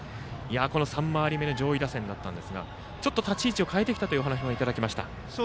３回り目の上位打線でしたがちょっと立ち位置を変えてきたというお話もいただきました。